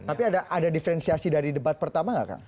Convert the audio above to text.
tapi ada diferensiasi dari debat pertama nggak kang